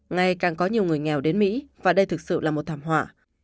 ngày càng có nhiều người nghèo đến mỹ và đây thực sự là một thảm họa